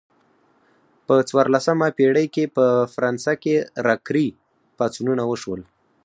په څوارلسمه پیړۍ کې په فرانسه کې راکري پاڅونونه وشول.